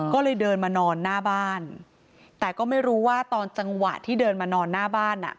ก็เลยเดินมานอนหน้าบ้านแต่ก็ไม่รู้ว่าตอนจังหวะที่เดินมานอนหน้าบ้านอ่ะ